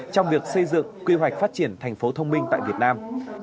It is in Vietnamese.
trong việc xây dựng quy hoạch phát triển thành phố thông minh tại việt nam